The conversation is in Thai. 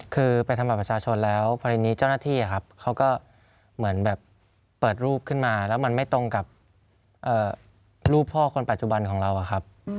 คือไปทำบัตรประชาชนแล้วพอดีนี้เจ้าหน้าที่เขาก็เหมือนแบบเปิดรูปขึ้นมาแล้วมันไม่ตรงกับรูปพ่อคนปัจจุบันของเราอะครับ